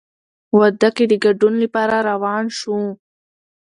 واده کې د ګډون لپاره روان شوو.